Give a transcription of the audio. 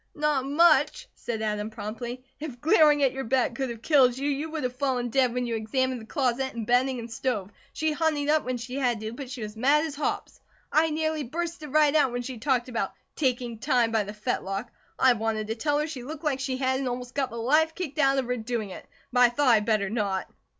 "Not much!" said Adam, promptly. "If glaring at your back could have killed you, you would have fallen dead when you examined the closet, and bedding, and stove. She honeyed up when she had to, but she was mad as hops. I nearly bursted right out when she talked about 'taking time by the fetlock.' I wanted to tell her she looked like she had, and almost got the life kicked out of her doing it, but I thought I'd better not."